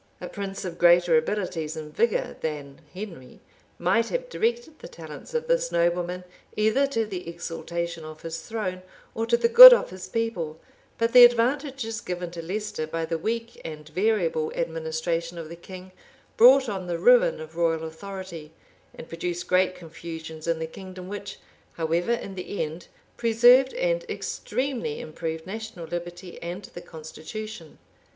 A prince of greater abilities and vigor than Henry might have directed the talents of this nobleman either to the exaltation of his throne or to the good of his people but the advantages given to Leicester, by the weak and variable administration of the king, brought on the ruin of royal authority, and produced great confusions in the kingdom which, however, in the end, preserved and extremely improved national liberty and the constitution.